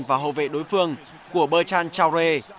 và hậu vệ đối phương của berchan chaure